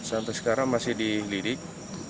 sampai sekarang masih dilidik